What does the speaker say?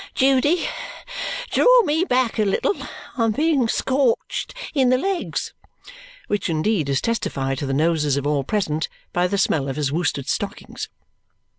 Judy, draw me back a little. I'm being scorched in the legs," which indeed is testified to the noses of all present by the smell of his worsted stockings.